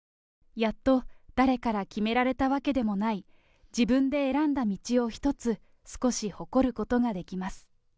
やっと、誰から決められたわけでもない、自分で選んだ道を一つ、少し誇ることができます。